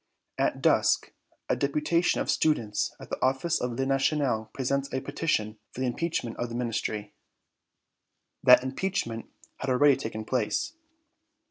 At dusk a deputation of students, at the office of "Le National," presents a petition for the impeachment of the Ministry. That impeachment had already taken place!